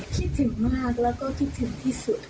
คิดถึงมากแล้วก็คิดถึงที่สุด